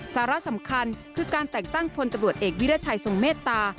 สาระสำคัญคือการแต่งตั้งพลตำรวจเอกวิรัชัยทรงเมตตา